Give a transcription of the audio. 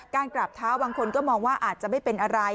กราบเท้าบางคนก็มองว่าอาจจะไม่เป็นอะไร